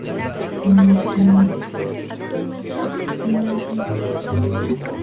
Es considerado un partido de extrema izquierda.